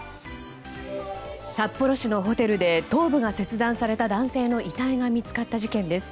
札幌市のホテルで頭部が切断された男性の遺体が見つかった事件です。